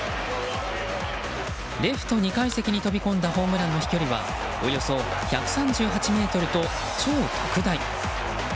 レフト２階席に飛び込んだホームランの飛距離はおよそ１３８ｍと超特大。